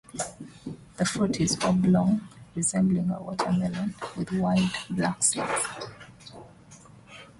The fruit is oblong, resembling a watermelon, with wide black seeds.